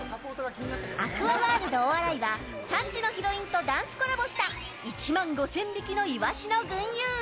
アクアワールド大洗は３時のヒロインとダンスコラボした１万５０００匹のイワシの群雄。